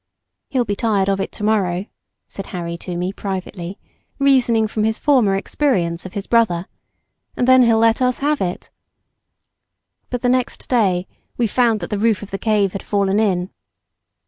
"He'll be tired of it to morrow," said Harry to me privately, reasoning from his former experience of his brother, "and then he'll let us have it." But the next day we found that the roof of the cave had fallen in.